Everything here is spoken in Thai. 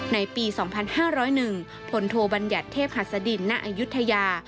ในปีสองพันห้าร้อยหนึ่งพลโทบัญญัติเทพหัสดินนะอยุธยา